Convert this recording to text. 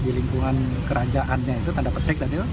di lingkungan kerajaannya itu tanda petik tadi